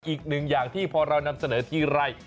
อย่างที่พอเรานำเสนอทีไร